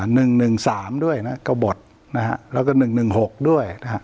หนึ่งหนึ่งสามด้วยนะกระบดนะฮะแล้วก็หนึ่งหนึ่งหกด้วยนะฮะ